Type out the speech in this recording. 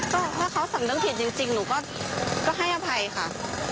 ก็ถ้าเขาสำนึกผิดจริงหนูก็ให้อภัยค่ะ